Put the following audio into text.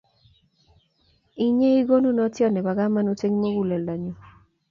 Inye ii kanunotiot nebo kamanut eng muguleldonyu